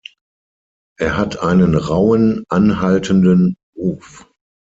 Er hat einen rauen, anhaltenden Ruf.